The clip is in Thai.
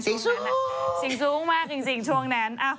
สิ่งสูงสิ่งสูงมากจริงช่วงนั้น